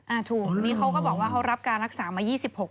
อ่าถูกวันนี้เขาก็บอกว่าเขารับการรักษามา๒๖วันแล้ว